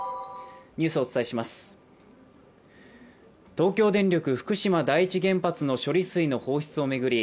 東京電力福島第一原発の処理水の放出を巡り